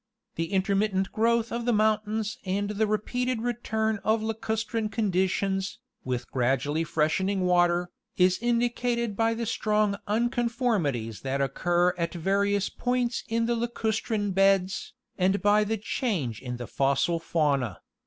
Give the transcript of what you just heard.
t The intermittent growth of the mountains and the re peated return of lacustrine conditions, with gradually freshening water, is indicated by the strong unconformities that occur at various points in the lacustrine beds, and by the change in the fossil fauna.